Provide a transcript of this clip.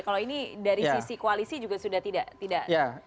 kalau ini dari sisi koalisi juga sudah tidak